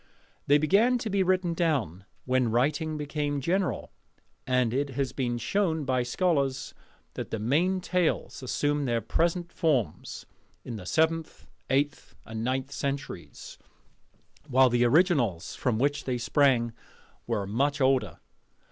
They began to be written down when writing became general: and it has been shown by scholars that the main tales assumed their present forms in the seventh, eighth, and ninth centuries; while the originals from which they sprang were much older.